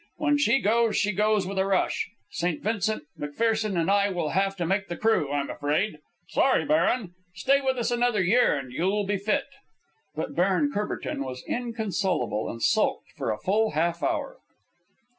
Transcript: "When she goes, she goes with a rush. St. Vincent, McPherson, and I will have to make the crew, I'm afraid. Sorry, baron. Stay with us another year and you'll be fit." But Baron Courbertin was inconsolable, and sulked for a full half hour.